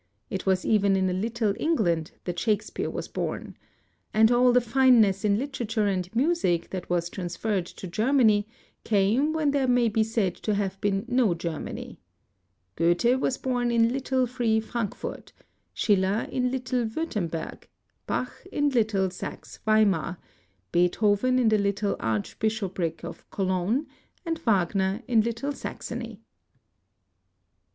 It was even in a little England that Shakespeare was bom. And all the fineness in literature and music that was trans ferred to Germany came when there may be said to have been no Germany. Goethe was bom in little free Frankfort, Schiller in little Wurtemberg, Bach in little Saxe Weimar, Digitized by Google 220 The South Atlantic Quarterly Beethoven in the little Archbishopric of Cologne, and Wagner in little Saxony.